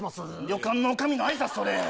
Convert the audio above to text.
旅館の女将の挨拶それ！